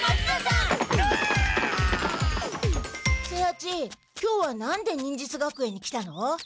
清八今日は何で忍術学園に来たの？